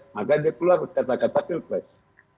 maka dia keluar kata kata pilpres